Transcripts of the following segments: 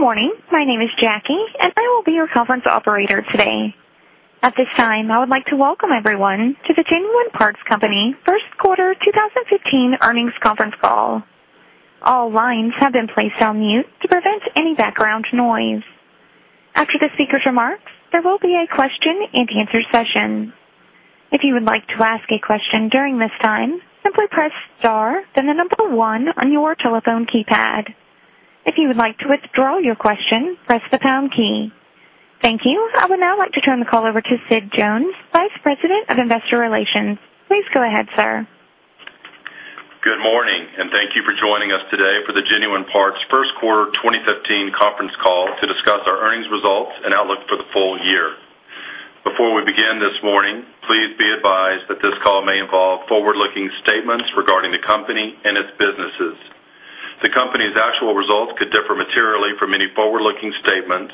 Good morning. My name is Jackie, and I will be your conference operator today. At this time, I would like to welcome everyone to the Genuine Parts Company First Quarter 2015 Earnings Conference Call. All lines have been placed on mute to prevent any background noise. After the speaker's remarks, there will be a question-and-answer session. If you would like to ask a question during this time, simply press star, then the number 1 on your telephone keypad. If you would like to withdraw your question, press the pound key. Thank you. I would now like to turn the call over to Sid Jones, Vice President of Investor Relations. Please go ahead, sir. Good morning. Thank you for joining us today for the Genuine Parts First Quarter 2015 Conference Call to discuss our earnings results and outlook for the full year. Before we begin this morning, please be advised that this call may involve forward-looking statements regarding the company and its businesses. The company's actual results could differ materially from any forward-looking statements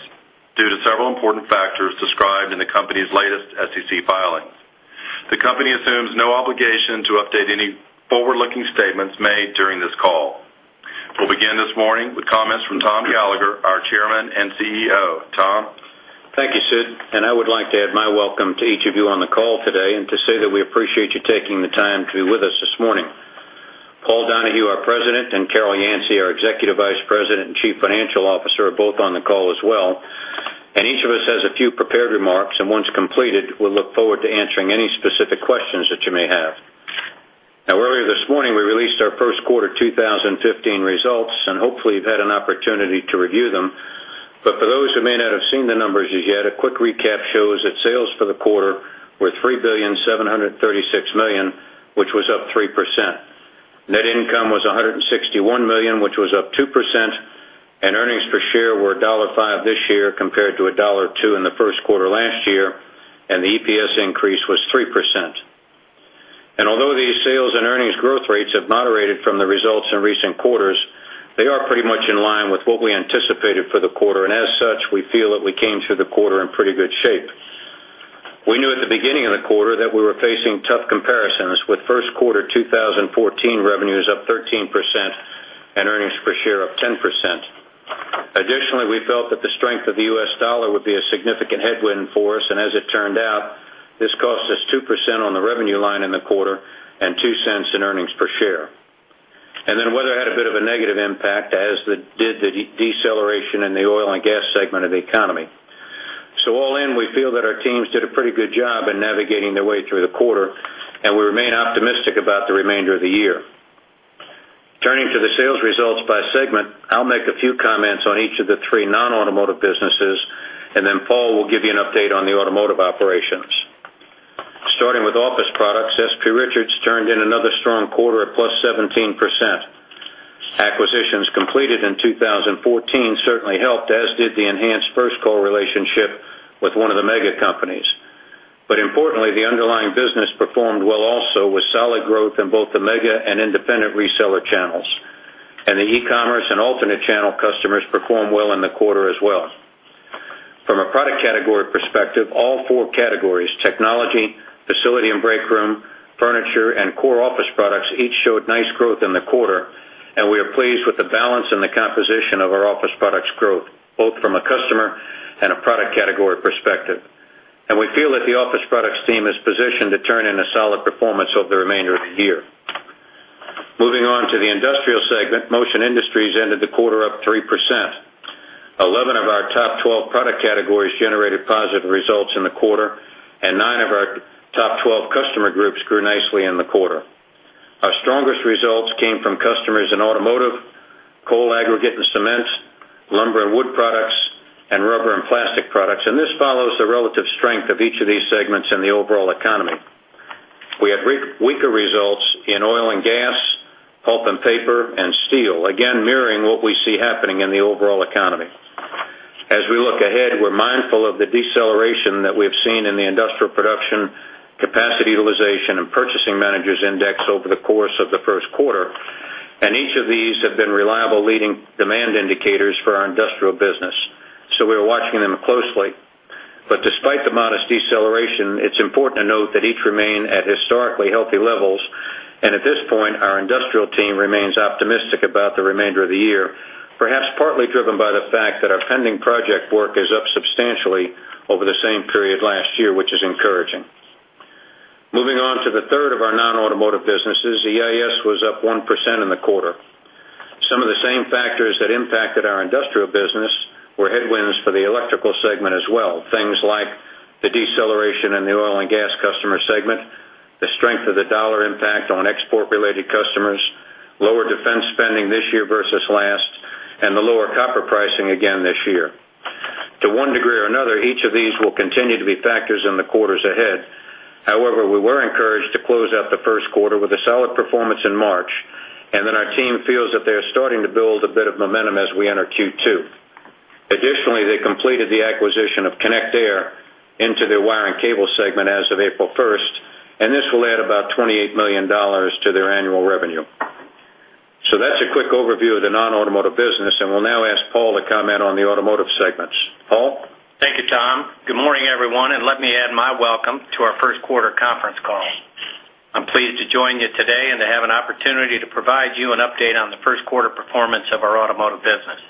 due to several important factors described in the company's latest SEC filings. The company assumes no obligation to update any forward-looking statements made during this call. We'll begin this morning with comments from Tom Gallagher, our Chairman and CEO. Tom? Thank you, Sid. I would like to add my welcome to each of you on the call today and to say that we appreciate you taking the time to be with us this morning. Paul Donahue, our President, and Carol Yancey, our Executive Vice President and Chief Financial Officer, are both on the call as well. Each of us has a few prepared remarks, and once completed, we'll look forward to answering any specific questions that you may have. Now earlier this morning, we released our First Quarter 2015 results, and hopefully you've had an opportunity to review them. For those who may not have seen the numbers as yet, a quick recap shows that sales for the quarter were $3.736 billion, which was up 3%. Net income was $161 million, which was up 2%, and earnings per share were $1.05 this year compared to $1.02 in the first quarter last year, and the EPS increase was 3%. Although these sales and earnings growth rates have moderated from the results in recent quarters, they are pretty much in line with what we anticipated for the quarter. As such, we feel that we came through the quarter in pretty good shape. We knew at the beginning of the quarter that we were facing tough comparisons with First Quarter 2014 revenues up 13% and earnings per share up 10%. Additionally, we felt that the strength of the U.S. dollar would be a significant headwind for us, and as it turned out, this cost us 2% on the revenue line in the quarter and $0.02 in earnings per share. Then weather had a bit of a negative impact, as did the deceleration in the oil and gas segment of the economy. All in, we feel that our teams did a pretty good job in navigating their way through the quarter, and we remain optimistic about the remainder of the year. Turning to the sales results by segment, I'll make a few comments on each of the three non-automotive businesses, and then Paul will give you an update on the automotive operations. Starting with office products, S.P. Richards turned in another strong quarter at +17%. Acquisitions completed in 2014 certainly helped, as did the enhanced First Call relationship with one of the mega companies. Importantly, the underlying business performed well also with solid growth in both the mega and independent reseller channels. The e-commerce and alternate channel customers performed well in the quarter as well. From a product category perspective, all four categories, technology, facility and break room, furniture, and core office products each showed nice growth in the quarter, and we are pleased with the balance and the composition of our office products growth, both from a customer and a product category perspective. We feel that the office products team is positioned to turn in a solid performance over the remainder of the year. Moving on to the industrial segment, Motion Industries ended the quarter up +3%. 11 of our top 12 product categories generated positive results in the quarter, and nine of our top 12 customer groups grew nicely in the quarter. Our strongest results came from customers in automotive, coal aggregate and cements, lumber and wood products, and rubber and plastic products. This follows the relative strength of each of these segments in the overall economy. We had weaker results in oil and gas, pulp and paper, and steel, again mirroring what we see happening in the overall economy. As we look ahead, we're mindful of the deceleration that we've seen in the industrial production, capacity utilization, and purchasing managers index over the course of the first quarter, and each of these have been reliable leading demand indicators for our industrial business. We're watching them closely. Despite the modest deceleration, it's important to note that each remain at historically healthy levels. At this point, our industrial team remains optimistic about the remainder of the year, perhaps partly driven by the fact that our pending project work is up substantially over the same period last year, which is encouraging. Moving on to the third of our non-automotive businesses, EIS was up +1% in the quarter. Some of the same factors that impacted our industrial business were headwinds for the electrical segment as well. Things like the deceleration in the oil and gas customer segment, the strength of the dollar impact on export-related customers, lower defense spending this year versus last, and the lower copper pricing again this year. To one degree or another, each of these will continue to be factors in the quarters ahead. However, we were encouraged to close out the first quarter with a solid performance in March, our team feels that they're starting to build a bit of momentum as we enter Q2. Additionally, they completed the acquisition of Connect-Air into their wire and cable segment as of April 1st, this will add about $28 million to their annual revenue. That's a quick overview of the non-automotive business, and we'll now ask Paul to comment on the automotive segments. Paul? Thank you, Tom. Our first quarter conference call. I'm pleased to join you today and to have an opportunity to provide you an update on the first quarter performance of our automotive business.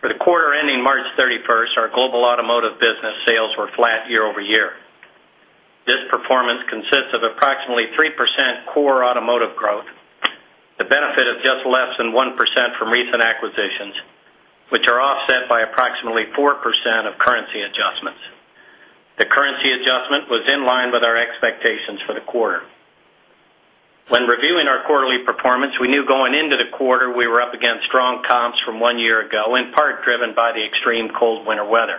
For the quarter ending March 31st, our global automotive business sales were flat year-over-year. This performance consists of approximately 3% core automotive growth, the benefit of just less than 1% from recent acquisitions, which are offset by approximately 4% of currency adjustments. The currency adjustment was in line with our expectations for the quarter. When reviewing our quarterly performance, we knew going into the quarter, we were up against strong comps from one year ago, in part driven by the extreme cold winter weather.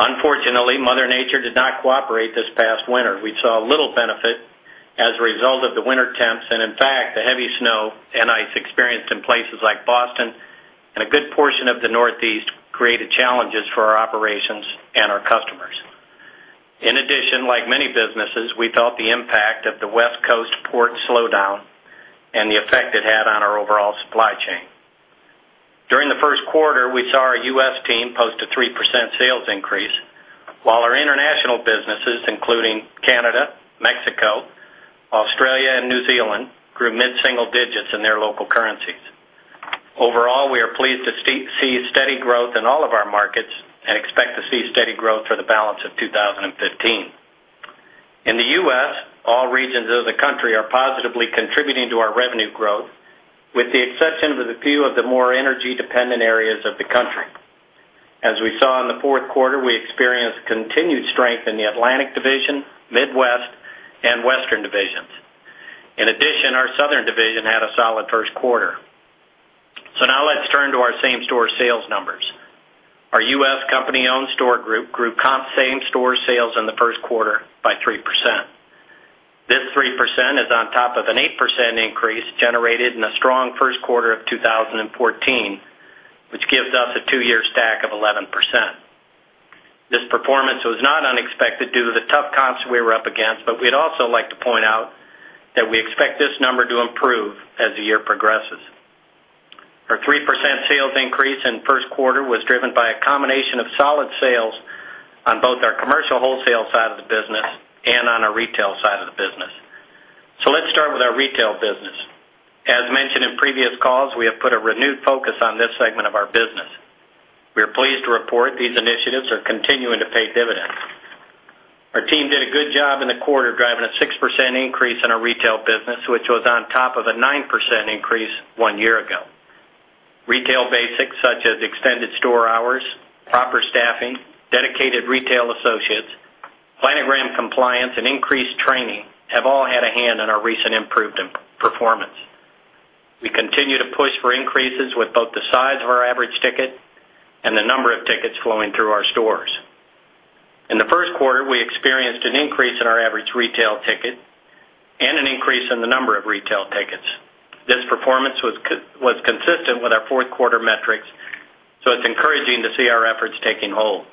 Unfortunately, Mother Nature did not cooperate this past winter. We saw little benefit as a result of the winter temps, and in fact, the heavy snow and ice experienced in places like Boston and a good portion of the Northeast created challenges for our operations and our customers. In addition, like many businesses, we felt the impact of the West Coast port slowdown and the effect it had on our overall supply chain. During the first quarter, we saw our U.S. team post a 3% sales increase, while our international businesses, including Canada, Mexico, Australia, and New Zealand, grew mid-single digits in their local currencies. Overall, we are pleased to see steady growth in all of our markets and expect to see steady growth for the balance of 2015. In the U.S., all regions of the country are positively contributing to our revenue growth, with the exception of the few of the more energy-dependent areas of the country. As we saw in the fourth quarter, we experienced continued strength in the Atlantic Division, Midwest, and Western Divisions. In addition, our Southern Division had a solid first quarter. Now let's turn to our same-store sales numbers. Our U.S. company-owned store group grew comp same-store sales in the first quarter by 3%. This 3% is on top of an 8% increase generated in a strong first quarter of 2014, which gives us a two-year stack of 11%. This performance was not unexpected due to the tough comps we were up against, but we'd also like to point out that we expect this number to improve as the year progresses. Our 3% sales increase in first quarter was driven by a combination of solid sales on both our commercial wholesale side of the business and on our retail side of the business. Let's start with our retail business. As mentioned in previous calls, we have put a renewed focus on this segment of our business. We are pleased to report these initiatives are continuing to pay dividends. Our team did a good job in the quarter, driving a 6% increase in our retail business, which was on top of a 9% increase one year ago. Retail basics such as extended store hours, proper staffing, dedicated retail associates, planogram compliance, and increased training have all had a hand in our recent improved performance. We continue to push for increases with both the size of our average ticket and the number of tickets flowing through our stores. In the first quarter, we experienced an increase in our average retail ticket and an increase in the number of retail tickets. This performance was consistent with our fourth quarter metrics. It's encouraging to see our efforts taking hold.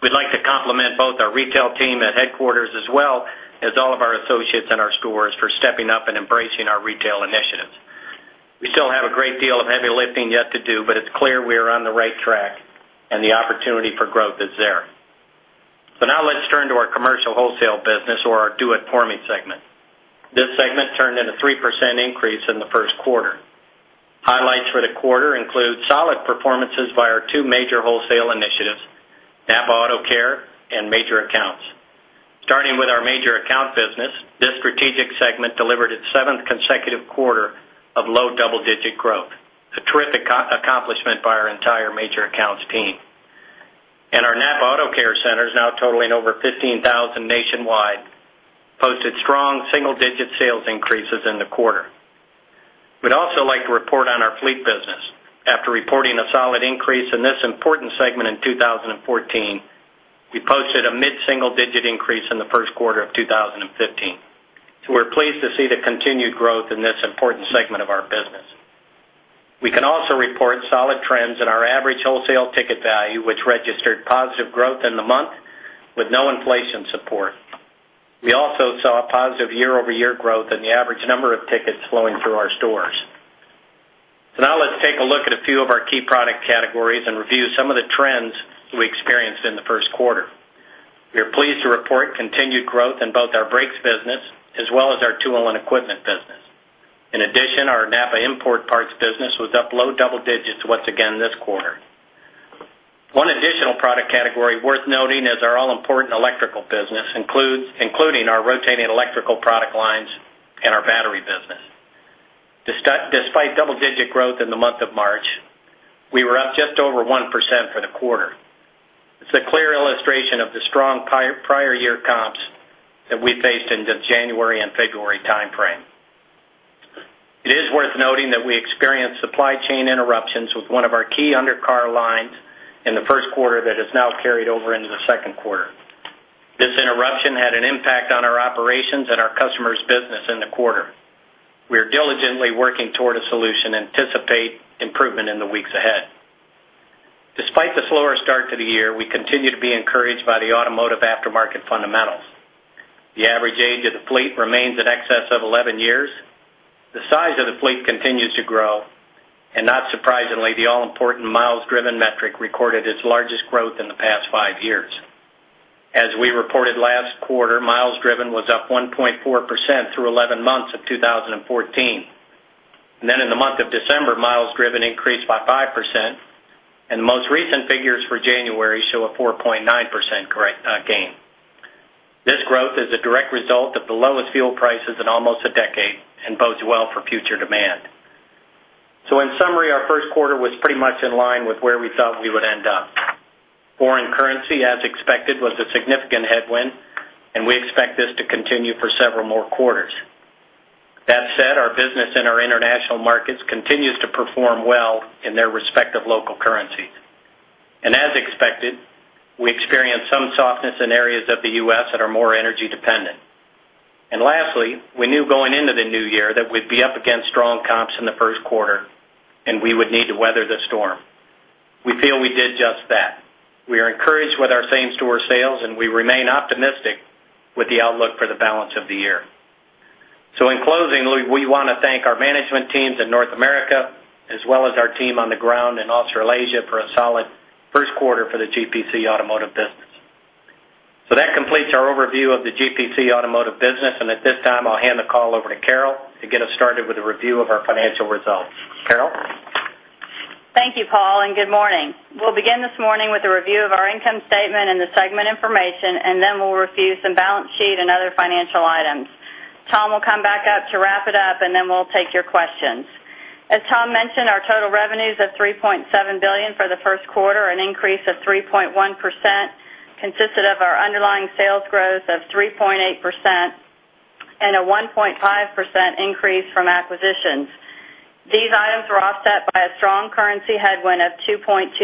We'd like to compliment both our retail team at headquarters as well as all of our associates in our stores for stepping up and embracing our retail initiatives. We still have a great deal of heavy lifting yet to do, but it's clear we are on the right track and the opportunity for growth is there. Now let's turn to our commercial wholesale business or our Do It For Me segment. This segment turned in a 3% increase in the first quarter. Highlights for the quarter include solid performances by our two major wholesale initiatives, NAPA AutoCare and Major Accounts. Starting with our Major Accounts business, this strategic segment delivered its seventh consecutive quarter of low double-digit growth, a terrific accomplishment by our entire Major Accounts team. Our NAPA AutoCare Centers, now totaling over 15,000 nationwide, posted strong single-digit sales increases in the quarter. We'd also like to report on our fleet business. After reporting a solid increase in this important segment in 2014, we posted a mid-single digit increase in the first quarter of 2015. We're pleased to see the continued growth in this important segment of our business. We can also report solid trends in our average wholesale ticket value, which registered positive growth in the month with no inflation support. We also saw a positive year-over-year growth in the average number of tickets flowing through our stores. Now let's take a look at a few of our key product categories and review some of the trends we experienced in the first quarter. We are pleased to report continued growth in both our brakes business as well as our tool and equipment business. In addition, our NAPA Import Parts business was up low double digits once again this quarter. One additional product category worth noting is our all-important electrical business, including our rotating electrical product lines and our battery business. Despite double-digit growth in the month of March, we were up just over 1% for the quarter. It's a clear illustration of the strong prior year comps that we faced in the January and February timeframe. It is worth noting that we experienced supply chain interruptions with one of our key undercar lines in the first quarter that has now carried over into the second quarter. This interruption had an impact on our operations and our customers' business in the quarter. We are diligently working toward a solution and anticipate improvement in the weeks ahead. Despite the slower start to the year, we continue to be encouraged by the automotive aftermarket fundamentals. The average age of the fleet remains in excess of 11 years. The size of the fleet continues to grow, not surprisingly, the all-important miles driven metric recorded its largest growth in the past five years. As we reported last quarter, miles driven was up 1.4% through 11 months of 2014. In the month of December, miles driven increased by 5%, and the most recent figures for January show a 4.9% gain. This growth is a direct result of the lowest fuel prices in almost a decade and bodes well for future demand. In summary, our first quarter was pretty much in line with where we thought we would end up. Foreign currency, as expected, was a significant headwind, and we expect this to continue for several more quarters. That said, our business in our international markets continues to perform well in their respective local currencies. As expected, we experienced some softness in areas of the U.S. that are more energy-dependent. Lastly, we knew going into the new year that we'd be up against strong comps in the first quarter, and we would need to weather the storm. We feel we did just that. We are encouraged with our same-store sales, and we remain optimistic with the outlook for the balance of the year. In closing, we want to thank our management teams in North America, as well as our team on the ground in Australasia, for a solid first quarter for the GPC Automotive business. That completes our overview of the GPC Automotive business, and at this time, I'll hand the call over to Carol to get us started with a review of our financial results. Carol? Thank you, Paul, and good morning. We'll begin this morning with a review of our income statement and the segment information, and then we'll review some balance sheet and other financial items. Tom will come back up to wrap it up, and then we'll take your questions. As Tom mentioned, our total revenues of $3.7 billion for the first quarter, an increase of 3.1%, consisted of our underlying sales growth of 3.8% and a 1.5% increase from acquisitions. These items were offset by a strong currency headwind of 2.2%.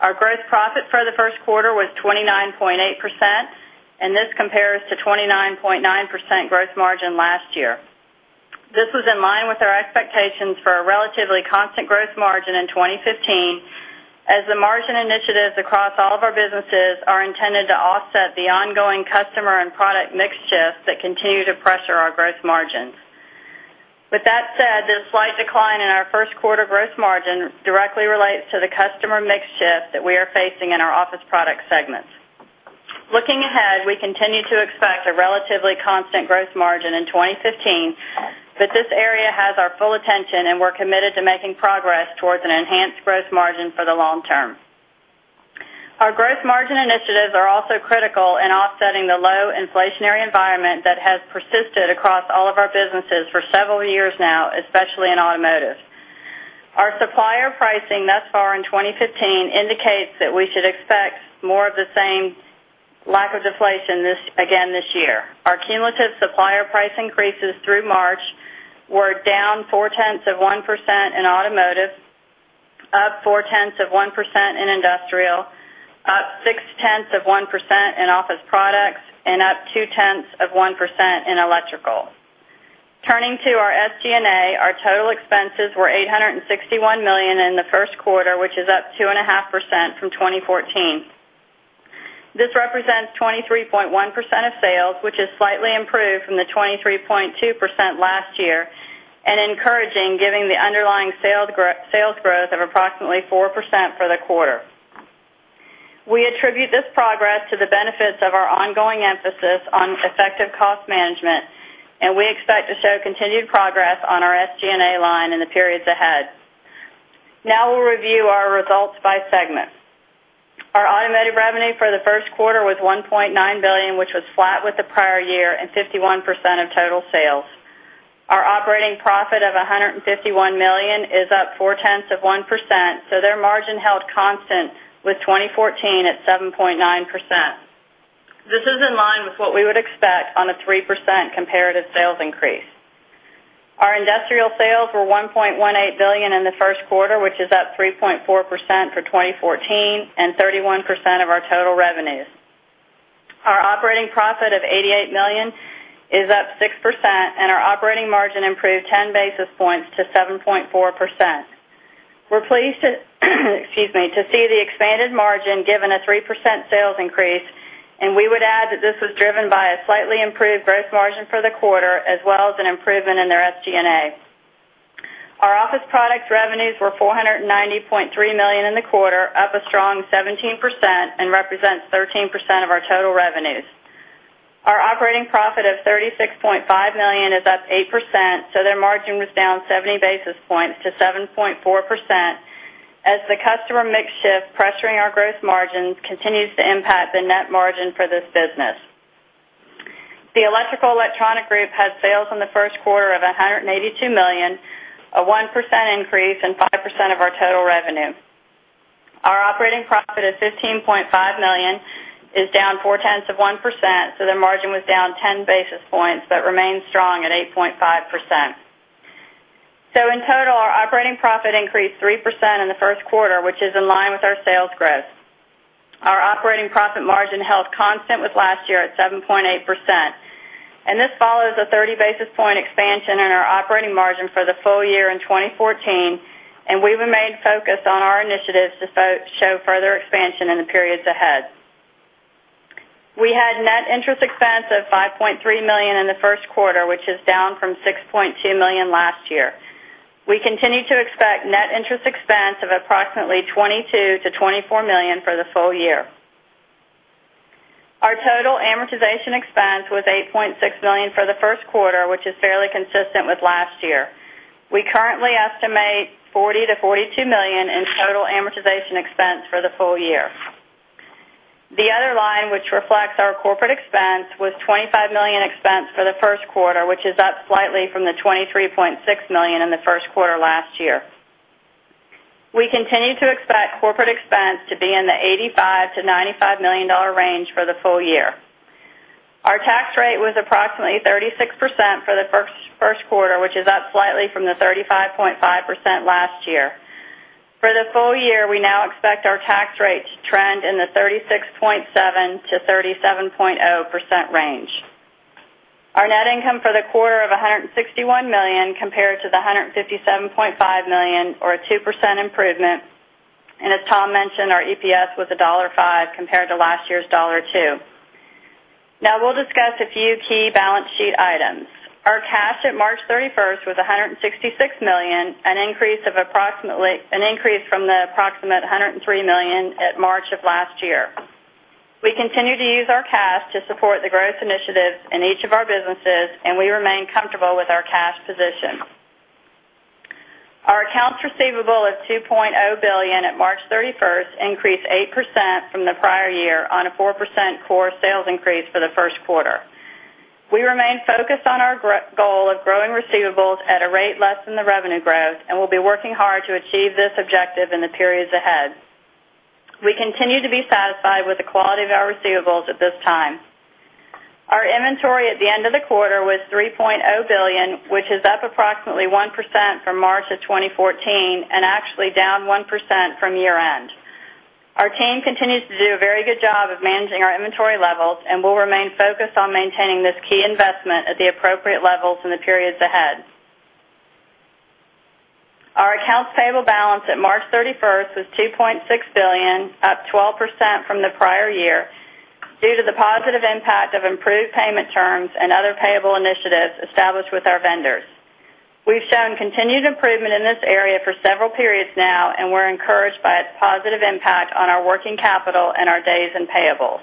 Our gross profit for the first quarter was 29.8%, and this compares to 29.9% gross margin last year. This was in line with our expectations for a relatively constant gross margin in 2015, as the margin initiatives across all of our businesses are intended to offset the ongoing customer and product mix shifts that continue to pressure our gross margins. With that said, this slight decline in our first quarter gross margin directly relates to the customer mix shift that we are facing in our Office Product segments. Looking ahead, we continue to expect a relatively constant gross margin in 2015. This area has our full attention, and we're committed to making progress towards an enhanced gross margin for the long term. Our gross margin initiatives are also critical in offsetting the low inflationary environment that has persisted across all of our businesses for several years now, especially in Automotive. Our supplier pricing thus far in 2015 indicates that we should expect more of the same lack of deflation again this year. Our cumulative supplier price increases through March were down 0.4% in Automotive, up 0.4% in Industrial, up 0.6% in Office Products, and up 0.2% in Electrical. Turning to our SG&A, our total expenses were $861 million in the first quarter, which is up 2.5% from 2014. This represents 23.1% of sales, which is slightly improved from the 23.2% last year and encouraging given the underlying sales growth of approximately 4% for the quarter. We attribute this progress to the benefits of our ongoing emphasis on effective cost management, and we expect to show continued progress on our SG&A line in the periods ahead. We'll review our results by segment. Our Automotive revenue for the first quarter was $1.9 billion, which was flat with the prior year and 51% of total sales. Our operating profit of $151 million is up 0.4%, their margin held constant with 2014 at 7.9%. This is in line with what we would expect on a 3% comparative sales increase. Our Industrial sales were $1.18 billion in the first quarter, which is up 3.4% for 2014 and 31% of our total revenues. Our operating profit of $88 million is up 6%, our operating margin improved 10 basis points to 7.4%. We're pleased to see the expanded margin given a 3% sales increase, we would add that this was driven by a slightly improved gross margin for the quarter, as well as an improvement in their SG&A. Our Office Product revenues were $490.3 million in the quarter, up a strong 17%, represents 13% of our total revenues. Our operating profit of $36.5 million is up 8%, their margin was down 70 basis points to 7.4% as the customer mix shift pressuring our gross margins continues to impact the net margin for this business. The Electrical/Electronic Group had sales in the first quarter of $182 million, a 1% increase and 5% of our total revenue. Our operating profit of $15.5 million is down 0.4%, their margin was down 10 basis points but remains strong at 8.5%. In total, our operating profit increased 3% in the first quarter, which is in line with our sales growth. Our operating profit margin held constant with last year at 7.8%. This follows a 30 basis point expansion in our operating margin for the full year in 2014, we remain focused on our initiatives to show further expansion in the periods ahead. We had net interest expense of $5.3 million in the first quarter, which is down from $6.2 million last year. We continue to expect net interest expense of approximately $22 million-$24 million for the full year. Our total amortization expense was $8.6 million for the first quarter, which is fairly consistent with last year. We currently estimate $40 million-$42 million in total amortization expense for the full year. The other line, which reflects our corporate expense, was $25 million expense for the first quarter, which is up slightly from the $23.6 million in the first quarter last year. We continue to expect corporate expense to be in the $85 million-$95 million range for the full year. Our tax rate was approximately 36% for the first quarter, which is up slightly from the 35.5% last year. For the full year, we now expect our tax rate to trend in the 36.7%-37.0% range. Our net income for the quarter of $161 million compared to the $157.5 million, or a 2% improvement. As Tom mentioned, our EPS was $1.5 compared to last year's $1.2. We'll discuss a few key balance sheet items. Our cash at March 31st was $166 million, an increase from the approximate $103 million at March of last year. We continue to use our cash to support the growth initiatives in each of our businesses, and we remain comfortable with our cash position. Our accounts receivable is $2.0 billion at March 31st, increased 8% from the prior year on a 4% core sales increase for the first quarter. We remain focused on our goal of growing receivables at a rate less than the revenue growth and will be working hard to achieve this objective in the periods ahead. We continue to be satisfied with the quality of our receivables at this time. Our inventory at the end of the quarter was $3.0 billion, which is up approximately 1% from March of 2014 and actually down 1% from year-end. Our team continues to do a very good job of managing our inventory levels, and we'll remain focused on maintaining this key investment at the appropriate levels in the periods ahead. Our accounts payable balance at March 31st was $2.6 billion, up 12% from the prior year, due to the positive impact of improved payment terms and other payable initiatives established with our vendors. We've shown continued improvement in this area for several periods now, and we're encouraged by its positive impact on our working capital and our days in payables.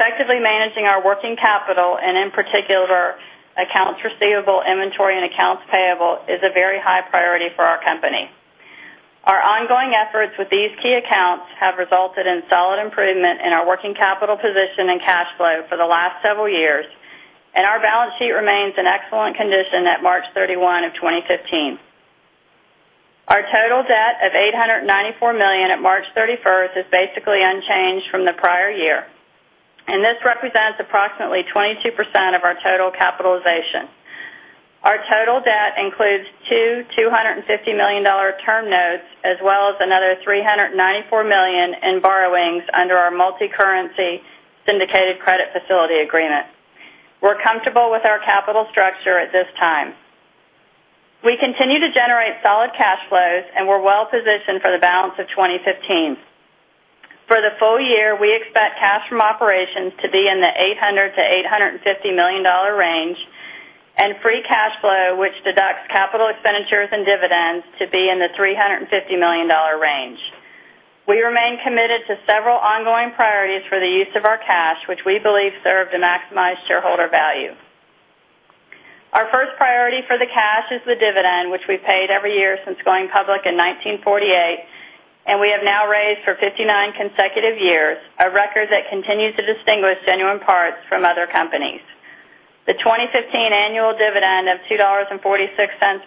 Effectively managing our working capital, and in particular accounts receivable, inventory, and accounts payable, is a very high priority for our company. Our ongoing efforts with these key accounts have resulted in solid improvement in our working capital position and cash flow for the last several years. Our balance sheet remains in excellent condition at March 31 of 2015. Our total debt of $894 million at March 31st is basically unchanged from the prior year. This represents approximately 22% of our total capitalization. Our total debt includes two $250 million term notes as well as another $394 million in borrowings under our multicurrency syndicated credit facility agreement. We're comfortable with our capital structure at this time. We continue to generate solid cash flows, and we're well-positioned for the balance of 2015. For the full year, we expect cash from operations to be in the $800 million-$850 million range and free cash flow, which deducts capital expenditures and dividends, to be in the $350 million range. We remain committed to several ongoing priorities for the use of our cash, which we believe serve to maximize shareholder value. Our first priority for the cash is the dividend, which we've paid every year since going public in 1948, and we have now raised for 59 consecutive years, a record that continues to distinguish Genuine Parts from other companies. The 2015 annual dividend of $2.46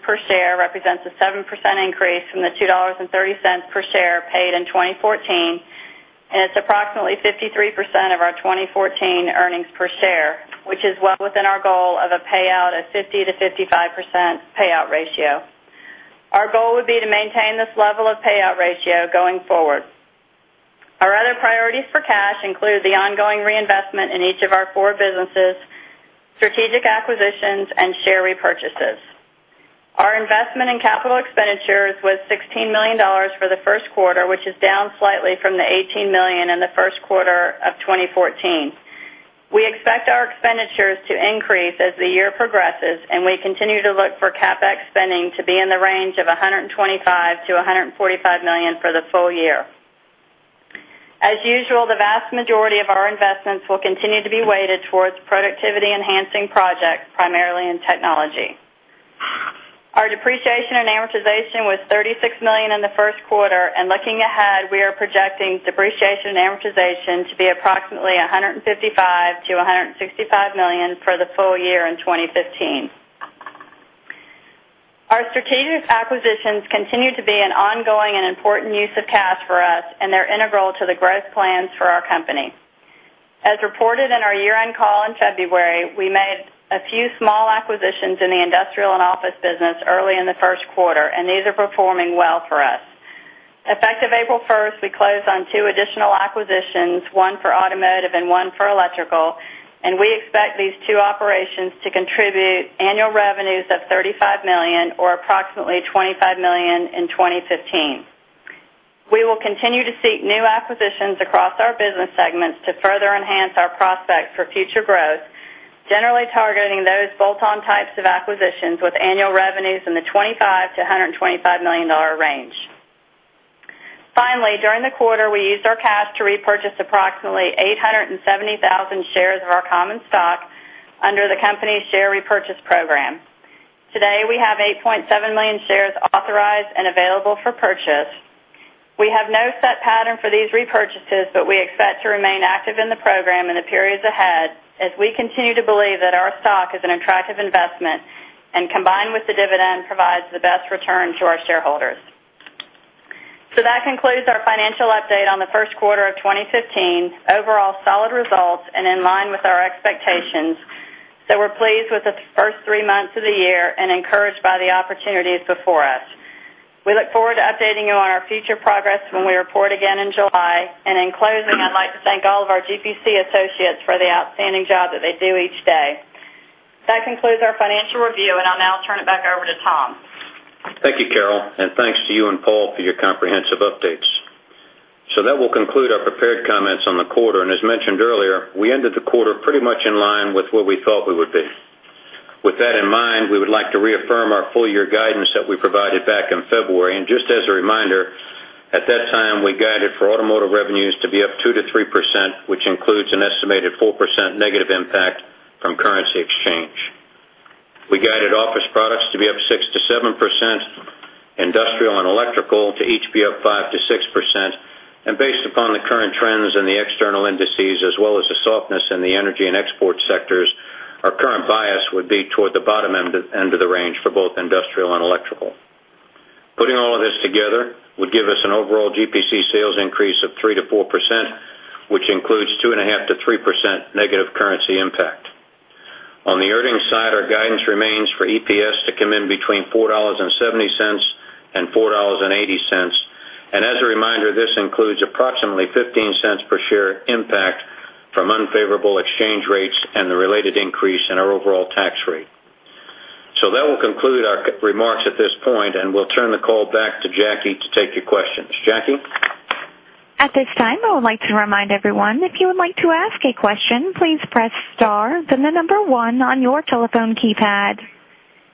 per share represents a 7% increase from the $2.30 per share paid in 2014, and it's approximately 53% of our 2014 earnings per share, which is well within our goal of a payout of 50%-55% payout ratio. Our goal would be to maintain this level of payout ratio going forward. Our other priorities for cash include the ongoing reinvestment in each of our four businesses, strategic acquisitions, and share repurchases. Our investment in capital expenditures was $16 million for the first quarter, which is down slightly from the $18 million in the first quarter of 2014. We expect our expenditures to increase as the year progresses, and we continue to look for CapEx spending to be in the range of $125 million-$145 million for the full year. As usual, the vast majority of our investments will continue to be weighted towards productivity-enhancing projects, primarily in technology. Our depreciation and amortization was $36 million in the first quarter, and looking ahead, we are projecting depreciation and amortization to be approximately $155 million-$165 million for the full year in 2015. Our strategic acquisitions continue to be an ongoing and important use of cash for us, and they are integral to the growth plans for our company. As reported in our year-end call in February, we made a few small acquisitions in the industrial and office business early in the first quarter, and these are performing well for us. Effective April 1st, we closed on two additional acquisitions, one for automotive and one for electrical, and we expect these two operations to contribute annual revenues of $35 million or approximately $25 million in 2015. We will continue to seek new acquisitions across our business segments to further enhance our prospects for future growth, generally targeting those bolt-on types of acquisitions with annual revenues in the $25 million-$125 million range. Finally, during the quarter, we used our cash to repurchase approximately 870,000 shares of our common stock under the company's share repurchase program. Today, we have 8.7 million shares authorized and available for purchase. We have no set pattern for these repurchases, but we expect to remain active in the program in the periods ahead as we continue to believe that our stock is an attractive investment and combined with the dividend provides the best return to our shareholders. That concludes our financial update on the first quarter of 2015. Overall solid results and in line with our expectations. We are pleased with the first three months of the year and encouraged by the opportunities before us. We look forward to updating you on our future progress when we report again in July. In closing, I would like to thank all of our GPC associates for the outstanding job that they do each day. That concludes our financial review, and I will now turn it back over to Tom. Thank you, Carol, and thanks to you and Paul for your comprehensive updates. That will conclude our prepared comments on the quarter. As mentioned earlier, we ended the quarter pretty much in line with where we thought we would be. With that in mind, we would like to reaffirm our full year guidance that we provided back in February. Just as a reminder, at that time, we guided for automotive revenues to be up 2%-3%, which includes an estimated 4% negative impact from currency exchange. We guided office products to be up 6%-7%, industrial and electrical to each be up 5%-6%. Based upon the current trends in the external indices as well as the softness in the energy and export sectors, our current bias would be toward the bottom end of the range for both industrial and electrical. Putting all of this together would give us an overall GPC sales increase of 3%-4%, which includes 2.5%-3% negative currency impact. On the earnings side, our guidance remains for EPS to come in between $4.70 and $4.80. As a reminder, this includes approximately $0.15 per share impact from unfavorable exchange rates and the related increase in our overall tax rate. That will conclude our remarks at this point, and we'll turn the call back to Jackie to take your questions. Jackie? At this time, I would like to remind everyone, if you would like to ask a question, please press star then the number 1 on your telephone keypad.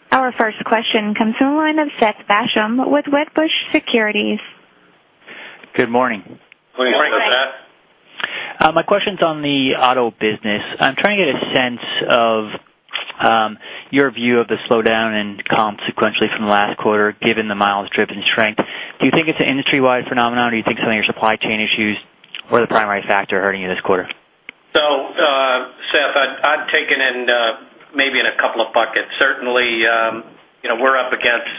Our first question comes from the line of Seth Basham with Wedbush Securities. Good morning. Morning, Seth. Good morning. My question's on the auto business. I'm trying to get a sense of your view of the slowdown and consequentially from last quarter, given the miles driven strength. Do you think it's an industry-wide phenomenon, or do you think some of your supply chain issues were the primary factor hurting you this quarter? Seth, I'd take it in maybe in a couple of buckets. Certainly, we're up against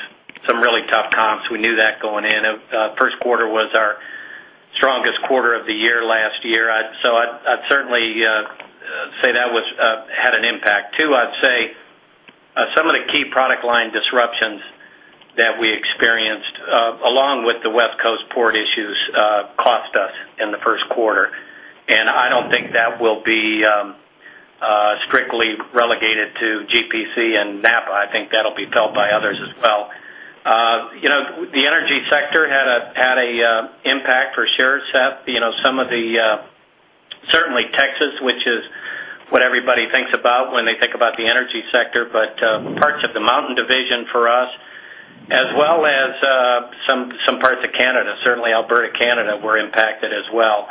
some really tough comps. We knew that going in. First quarter was our strongest quarter of the year last year. I'd certainly say that had an impact. Two, I'd say some of the key product line disruptions that we experienced, along with the West Coast port issues, cost us in the first quarter. I don't think that will be strictly relegated to GPC and NAPA. I think that'll be felt by others as well. The energy sector had an impact for sure, Seth. Certainly Texas, which is what everybody thinks about when they think about the energy sector, but parts of the mountain division for us, as well as some parts of Canada. Certainly Alberta, Canada, were impacted as well.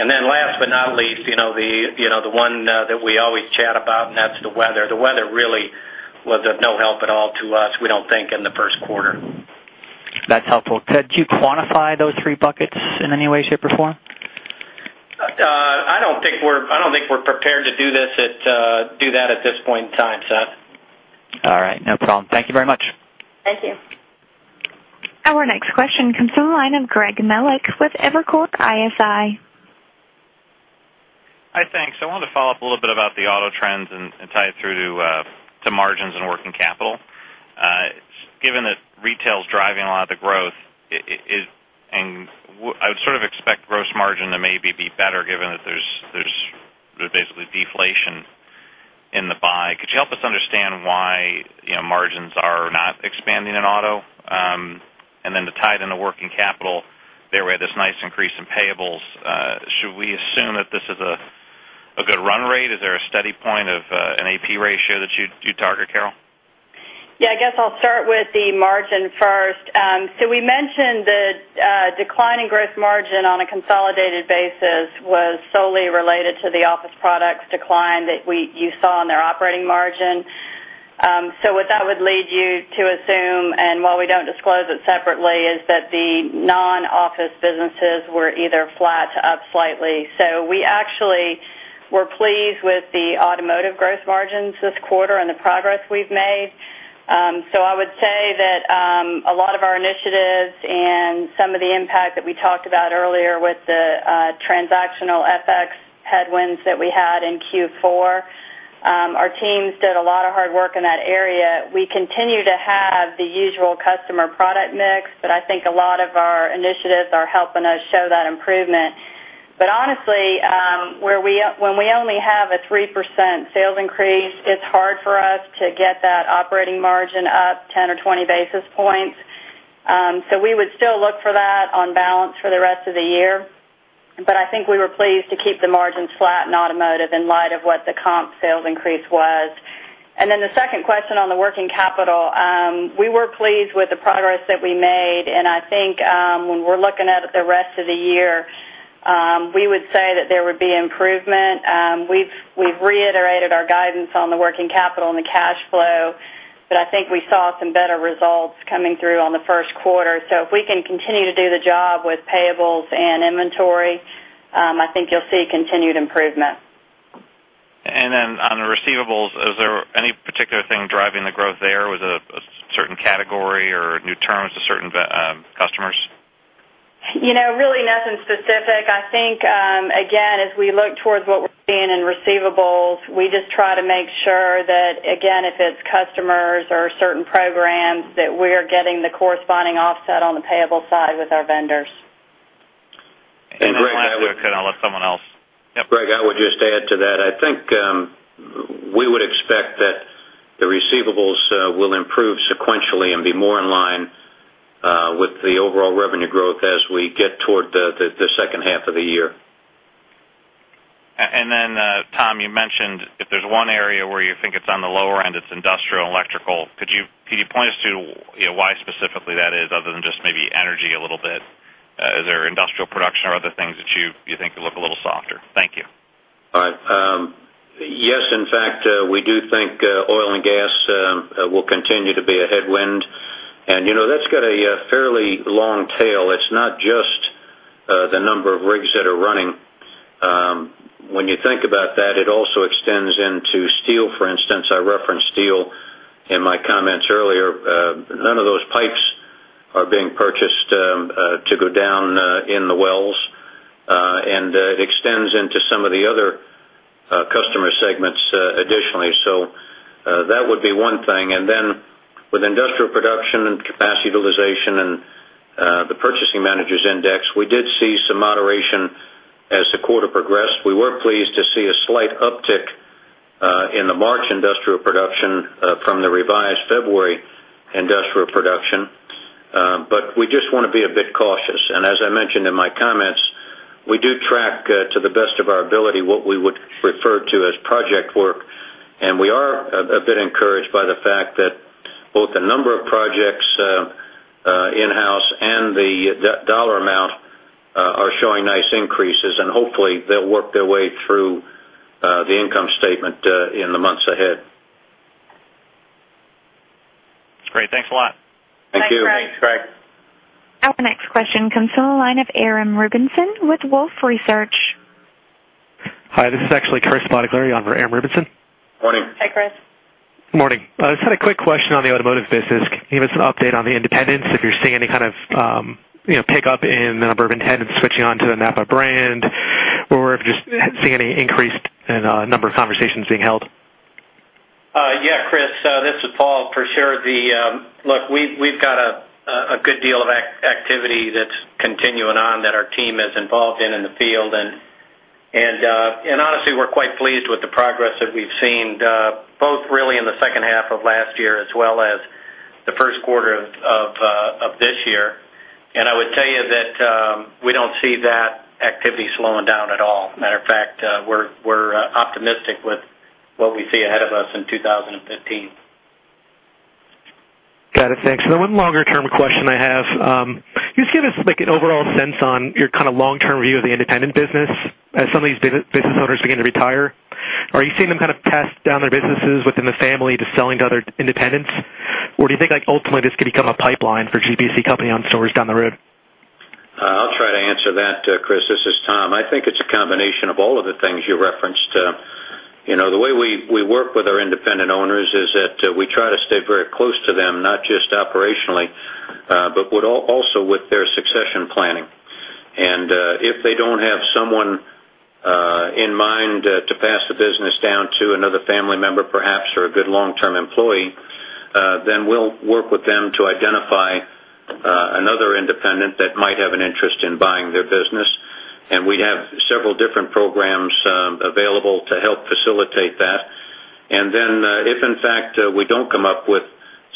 Last but not least, the one that we always chat about, and that's the weather. The weather really was of no help at all to us, we don't think, in the first quarter. That's helpful. Could you quantify those three buckets in any way, shape, or form? I don't think we're prepared to do that at this point in time, Seth. All right. No problem. Thank you very much. Thank you. Our next question comes from the line of Greg Melich with Evercore ISI. Hi. Thanks. I wanted to follow up a little bit about the auto trends and tie it through to margins and working capital. Given that retail is driving a lot of the growth, I would sort of expect gross margin to maybe be better given that there's basically deflation in the buy. Could you help us understand why margins are not expanding in auto? And then to tie it into working capital, they had this nice increase in payables. Should we assume that this is a good run rate? Is there a steady point of an AP ratio that you target, Carol? Yeah, I guess I'll start with the margin first. We mentioned the decline in gross margin on a consolidated basis was solely related to the office products decline that you saw in their operating margin. What that would lead you to assume, and while we don't disclose it separately, is that the non-office businesses were either flat to up slightly. We actually were pleased with the automotive gross margins this quarter and the progress we've made. I would say that a lot of our initiatives Some of the impact that we talked about earlier with the transactional FX headwinds that we had in Q4. Our teams did a lot of hard work in that area. We continue to have the usual customer product mix, but I think a lot of our initiatives are helping us show that improvement. Honestly, when we only have a 3% sales increase, it's hard for us to get that operating margin up 10 or 20 basis points. We would still look for that on balance for the rest of the year. I think we were pleased to keep the margins flat in automotive in light of what the comp sales increase was. The second question on the working capital, we were pleased with the progress that we made, and I think, when we're looking at it the rest of the year, we would say that there would be improvement. We've reiterated our guidance on the working capital and the cash flow, but I think we saw some better results coming through on the first quarter. If we can continue to do the job with payables and inventory, I think you'll see continued improvement. On the receivables, is there any particular thing driving the growth there? Was it a certain category or new terms to certain customers? Really nothing specific. I think, again, as we look towards what we're seeing in receivables, we just try to make sure that, again, if it's customers or certain programs, that we're getting the corresponding offset on the payable side with our vendors. Greg, I will kind of let someone else. Greg, I would just add to that, I think we would expect that the receivables will improve sequentially and be more in line with the overall revenue growth as we get toward the second half of the year. Tom, you mentioned if there's one area where you think it's on the lower end, it's industrial and electrical. Could you point us to why specifically that is, other than just maybe energy a little bit? Is there industrial production or other things that you think look a little softer? Thank you. All right. Yes. In fact, we do think oil and gas will continue to be a headwind. That's got a fairly long tail. It's not just the number of rigs that are running. When you think about that, it also extends into steel, for instance. I referenced steel in my comments earlier. None of those pipes are being purchased to go down in the wells. It extends into some of the other customer segments additionally. That would be one thing. With industrial production and capacity utilization and the purchasing managers index, we did see some moderation as the quarter progressed. We were pleased to see a slight uptick in the March industrial production from the revised February industrial production. We just want to be a bit cautious. As I mentioned in my comments, we do track, to the best of our ability, what we would refer to as project work, we are a bit encouraged by the fact that both the number of projects in-house and the dollar amount are showing nice increases, hopefully they'll work their way through the income statement in the months ahead. Great. Thanks a lot. Thank you. Thanks, Greg. Thanks, Greg. Our next question comes from the line of Aaron Rubinson with Wolfe Research. Hi, this is actually Chris on for Aaron Rubinson. Morning. Hi, Chris. Morning. I just had a quick question on the automotive business. Can you give us an update on the independents, if you're seeing any kind of pickup in the number of independents switching on to the NAPA brand, or if you're just seeing any increase in number of conversations being held? Yeah, Chris, this is Paul. For sure. Look, we've got a good deal of activity that's continuing on that our team is involved in the field. Honestly, we're quite pleased with the progress that we've seen, both really in the second half of last year, as well as the first quarter of this year. I would tell you that we don't see that activity slowing down at all. Matter of fact, we're optimistic with what we see ahead of us in 2015. Got it. Thanks. The one longer-term question I have, can you just give us an overall sense on your kind of long-term view of the independent business? As some of these business owners begin to retire, are you seeing them kind of pass down their businesses within the family to selling to other independents, or do you think ultimately this could become a pipeline for GPC company-owned stores down the road? I'll try to answer that, Chris. This is Tom. I think it's a combination of all of the things you referenced. The way we work with our independent owners is that we try to stay very close to them, not just operationally, but also with their succession planning. If they don't have someone in mind to pass the business down to, another family member perhaps, or a good long-term employee, then we'll work with them to identify another independent that might have an interest in buying their business. We have several different programs available to help facilitate that. If in fact, we don't come up with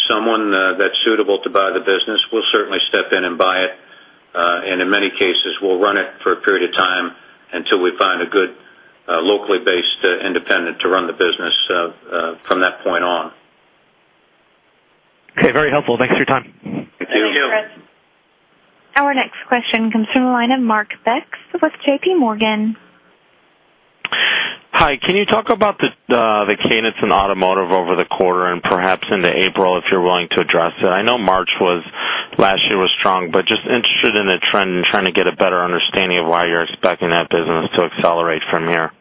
someone that's suitable to buy the business, we'll certainly step in and buy it. In many cases, we'll run it for a period of time until we find a good locally based independent to run the business from that point on. Okay. Very helpful. Thanks for your time. Thank you. Thank you. Our next question comes from the line of Mark Beck with JP Morgan. Hi. Can you talk about the cadence in automotive over the quarter and perhaps into April, if you're willing to address it? I know March last year was strong, but just interested in the trend and trying to get a better understanding of why you're expecting that business to accelerate from here.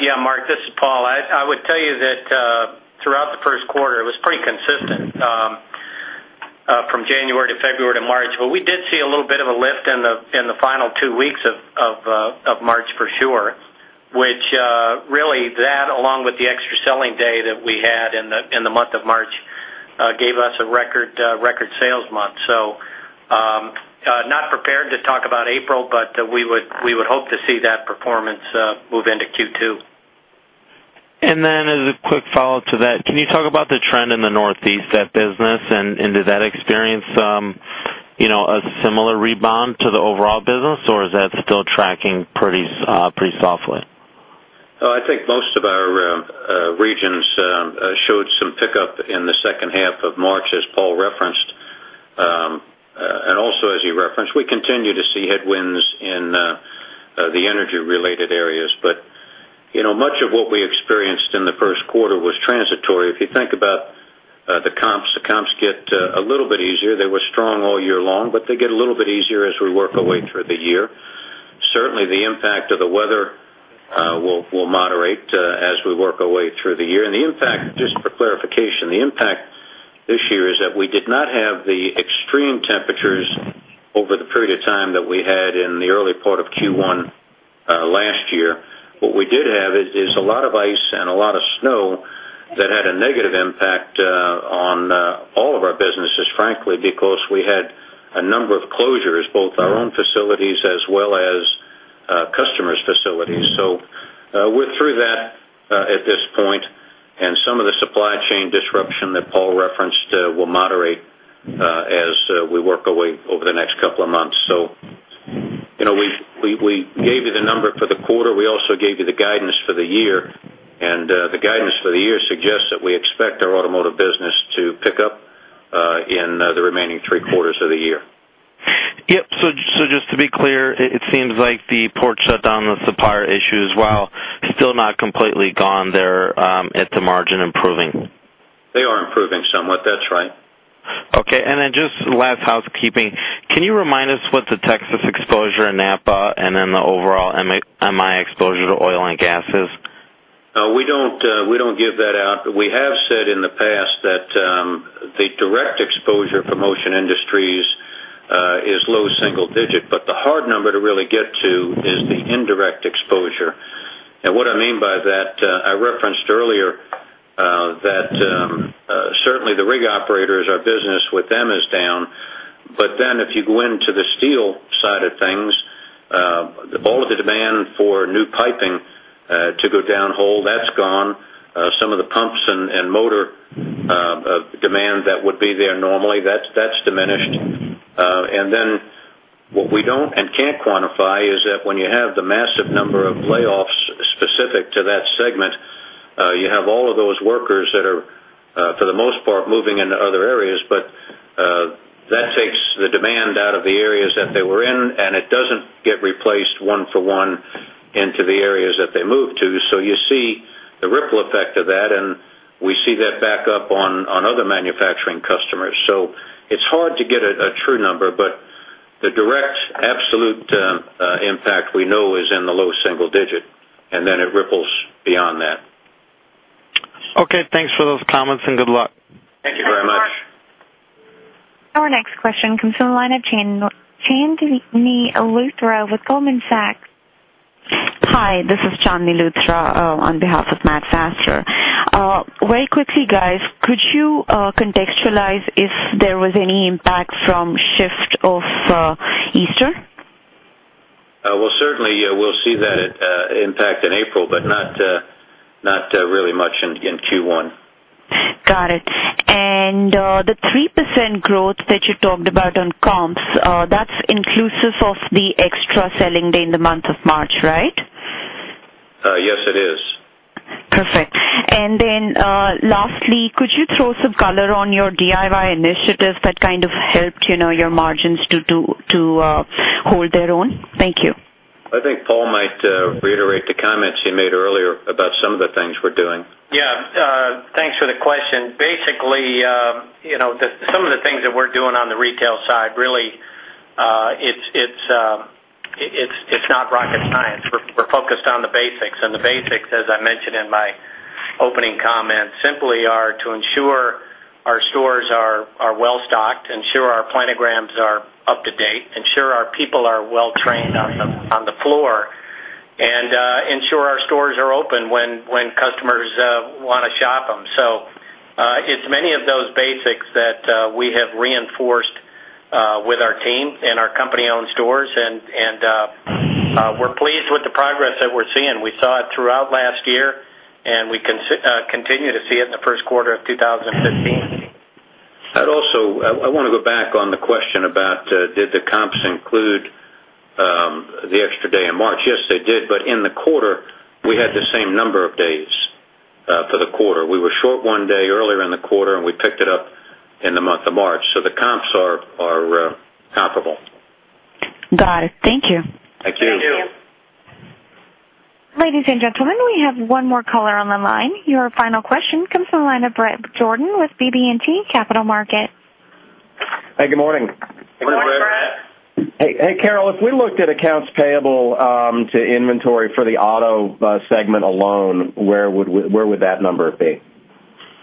Yeah, Mark, this is Paul. It's pretty consistent from January to February to March. We did see a little bit of a lift in the final two weeks of March for sure, which really, that along with the extra selling day that we had in the month of March, gave us a record sales month. Not prepared to talk about April, but we would hope to see that performance move into Q2. As a quick follow to that, can you talk about the trend in the Northeast, that business, and did that experience a similar rebound to the overall business or is that still tracking pretty softly? I think most of our regions showed some pickup in the second half of March, as Paul referenced. Also as he referenced, we continue to see headwinds in the energy-related areas. Much of what we experienced in the first quarter was transitory. If you think about the comps, the comps get a little bit easier. They were strong all year long, but they get a little bit easier as we work our way through the year. Certainly, the impact of the weather will moderate as we work our way through the year. Just for clarification, the impact this year is that we did not have the extreme temperatures over the period of time that we had in the early part of Q1 last year. What we did have is a lot of ice and a lot of snow that had a negative impact on all of our businesses, frankly, because we had a number of closures, both our own facilities as well as customers' facilities. We're through that at this point, and some of the supply chain disruption that Paul referenced will moderate as we work our way over the next couple of months. We gave you the number for the quarter. We also gave you the guidance for the year, and the guidance for the year suggests that we expect our automotive business to pick up in the remaining three quarters of the year. Yep. Just to be clear, it seems like the port shutdown, the supplier issues, while still not completely gone, they're at the margin improving. They are improving somewhat. That's right. Okay, just last housekeeping. Can you remind us what the Texas exposure in NAPA and the overall MI exposure to oil and gas is? We don't give that out. We have said in the past that the direct exposure for Motion Industries is low single digit, the hard number to really get to is the indirect exposure. What I mean by that, I referenced earlier that certainly the rig operators, our business with them is down. If you go into the steel side of things, all of the demand for new piping to go downhole, that's gone. Some of the pumps and motor demand that would be there normally, that's diminished. What we don't and can't quantify is that when you have the massive number of layoffs specific to that segment, you have all of those workers that are, for the most part, moving into other areas. That takes the demand out of the areas that they were in, and it doesn't get replaced one for one into the areas that they move to. You see the ripple effect of that, and we see that back up on other manufacturing customers. It's hard to get a true number, but the direct absolute impact we know is in the low single digit, and then it ripples beyond that. Okay. Thanks for those comments, and good luck. Thank you very much. Thank you very much. Our next question comes from the line of Chandni Luthra with Goldman Sachs. Hi, this is Chandni Luthra on behalf of Matt Fassler. Very quickly, guys, could you contextualize if there was any impact from shift of Easter? Well, certainly, we'll see that impact in April, but not really much in Q1. Got it. The 3% growth that you talked about on comps, that's inclusive of the extra selling day in the month of March, right? Yes, it is. Perfect. Then, lastly, could you throw some color on your DIY initiatives that kind of helped your margins to hold their own? Thank you. I think Paul might reiterate the comments he made earlier about some of the things we're doing. Thanks for the question. Basically, some of the things that we're doing on the retail side, really, it's not rocket science. We're focused on the basics, the basics, as I mentioned in my opening comments, simply are to ensure our stores are well-stocked, ensure our planograms are up to date, ensure our people are well-trained on the floor, and ensure our stores are open when customers want to shop them. It's many of those basics that we have reinforced with our team and our company-owned stores. We're pleased with the progress that we're seeing. We saw it throughout last year, and we continue to see it in the first quarter of 2015. I want to go back on the question about did the comps include the extra day in March. Yes, they did, but in the quarter, we had the same number of days for the quarter. We were short one day earlier in the quarter, and we picked it up in the month of March. The comps are comparable. Got it. Thank you. Thank you. Thank you. Ladies and gentlemen, we have one more caller on the line. Your final question comes from the line of Bret Jordan with BB&T Capital Markets. Hey, good morning. Good morning, Bret. Hey, Carol, if we looked at accounts payable to inventory for the auto segment alone, where would that number be?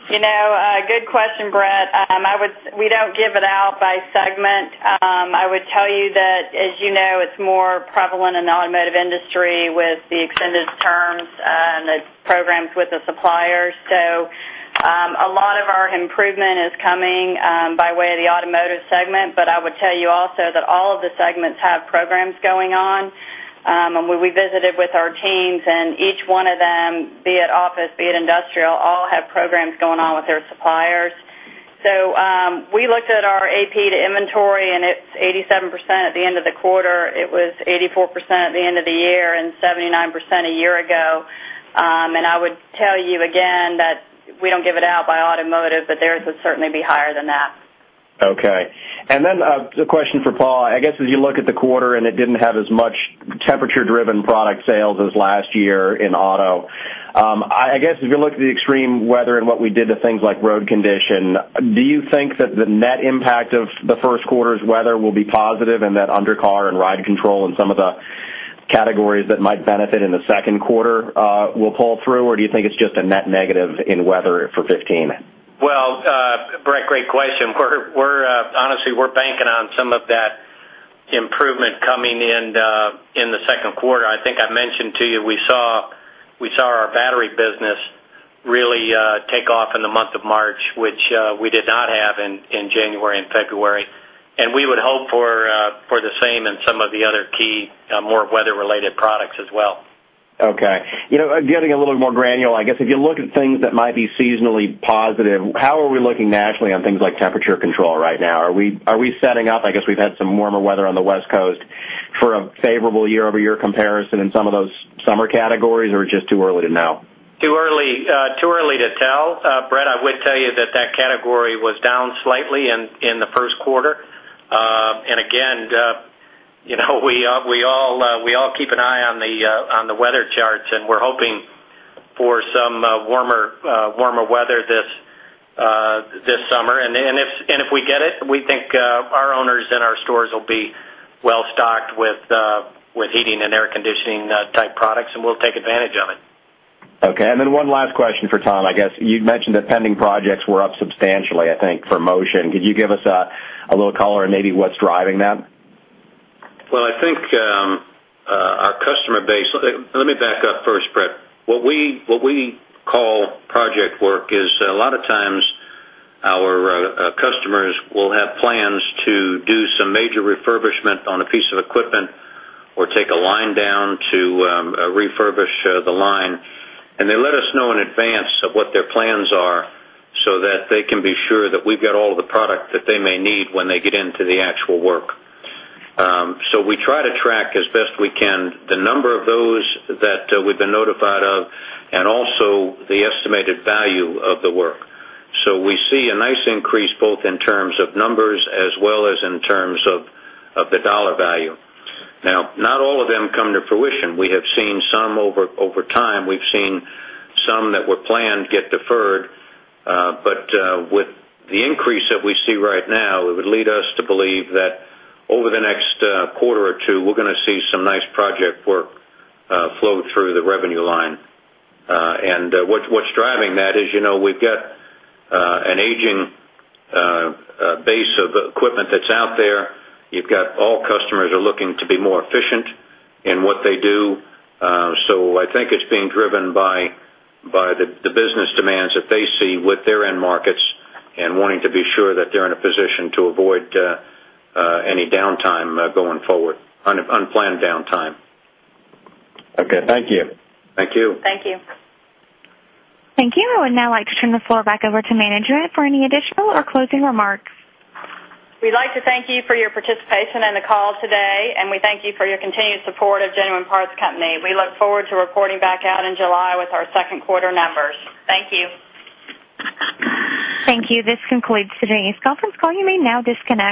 Good question, Bret. We don't give it out by segment. I would tell you that, as you know, it's more prevalent in the automotive industry with the extended terms and the programs with the suppliers. A lot of our improvement is coming by way of the automotive segment. I would tell you also that all of the segments have programs going on. When we visited with our teams and each one of them, be it office, be it industrial, all have programs going on with their suppliers. We looked at our AP to inventory, and it's 87% at the end of the quarter. It was 84% at the end of the year and 79% a year ago. I would tell you again that we don't give it out by automotive, but theirs would certainly be higher than that. Okay. Then a question for Paul. I guess as you look at the quarter and it didn't have as much temperature-driven product sales as last year in auto, I guess if you look at the extreme weather and what we did to things like road condition, do you think that the net impact of the first quarter's weather will be positive and that under car and ride control and some of the categories that might benefit in the second quarter will pull through? Or do you think it's just a net negative in weather for 2015? Well, Bret, great question. Honestly, we're banking on some of that improvement coming in the second quarter. I think I mentioned to you, we saw our battery business really take off in the month of March, which we did not have in January and February. We would hope for the same in some of the other key, more weather-related products as well. Okay. Getting a little more granular, I guess if you look at things that might be seasonally positive, how are we looking naturally on things like temperature control right now? Are we setting up, I guess we've had some warmer weather on the West Coast, for a favorable year-over-year comparison in some of those summer categories, or just too early to know? Too early to tell. Bret, I would tell you that that category was down slightly in the first quarter. Again, we all keep an eye on the weather charts, and we're hoping for some warmer weather this summer. If we get it, we think our owners and our stores will be well-stocked with heating and air conditioning-type products, and we'll take advantage of it. Okay. Then one last question for Tom. I guess you'd mentioned that pending projects were up substantially, I think, for Motion. Could you give us a little color on maybe what's driving that? Well, I think our customer base. Let me back up first, Bret. What we call project work is, a lot of times our customers will have plans to do some major refurbishment on a piece of equipment or take a line down to refurbish the line, and they let us know in advance of what their plans are so that they can be sure that we've got all the product that they may need when they get into the actual work. We try to track as best we can the number of those that we've been notified of and also the estimated value of the work. We see a nice increase both in terms of numbers as well as in terms of the dollar value. Now, not all of them come to fruition. We have seen some over time. We've seen some that were planned get deferred. With the increase that we see right now, it would lead us to believe that over the next quarter or two, we're going to see some nice project work flow through the revenue line. What's driving that is we've got an aging base of equipment that's out there. You've got all customers are looking to be more efficient in what they do. I think it's being driven by the business demands that they see with their end markets and wanting to be sure that they're in a position to avoid any downtime going forward, unplanned downtime. Okay, thank you. Thank you. Thank you. Thank you. I would now like to turn the floor back over to management for any additional or closing remarks. We'd like to thank you for your participation in the call today, and we thank you for your continued support of Genuine Parts Company. We look forward to reporting back out in July with our second quarter numbers. Thank you. Thank you. This concludes today's conference call. You may now disconnect.